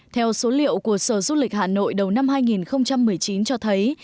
theo số liệu của sở du lịch hà nội đầu năm hai nghìn một mươi chín cho thấy